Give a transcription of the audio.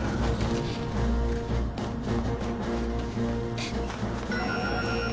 あっ。